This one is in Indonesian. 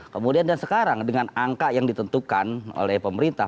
kemudian dan sekarang dengan angka yang ditentukan oleh pemerintah